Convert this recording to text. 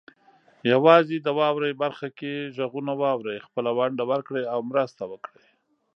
یوازې د "واورئ" برخه کې غږونه واورئ، خپله ونډه ورکړئ او مرسته وکړئ.